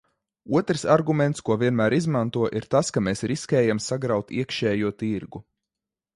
Otrs arguments, ko vienmēr izmanto, ir tas, ka mēs riskējam sagraut iekšējo tirgu.